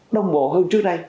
đông bộ hơn trước đây